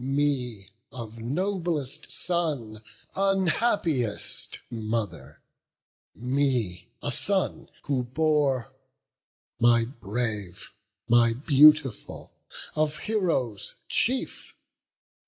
me, of noblest son Unhappiest mother! me, a son who bore, My brave, my beautiful, of heroes chief!